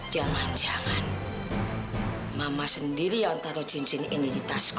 jangan jangan mama sendiri yang taro cincin ini di tasku